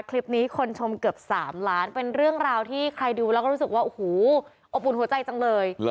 คลิปนี้คนชมเกือบ๓ล้านเป็นเรื่องราวที่ใครดูแล้วก็รู้สึกว่าโอ้โหอบอุ่นหัวใจจังเลย